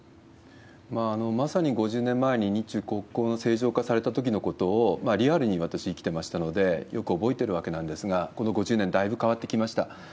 まさに５０年前に、日中国交の正常化されたときのことをリアルに私、生きてましたので、よく覚えてるわけなんですが、この５０年だいぶ変わってきました。